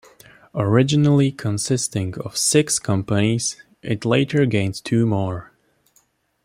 Originally consisting of six companies, it later gained two more.